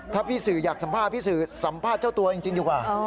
ถ้าพี่สื่ออยากสัมภาษณ์พี่สื่อสัมภาษณ์เจ้าตัวจริงดีกว่า